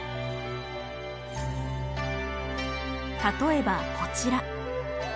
例えばこちら。